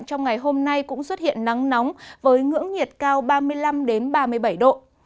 trong ngày hôm nay cũng xuất hiện nắng nóng với ngưỡng nhiệt cao ba mươi năm ba mươi bảy độ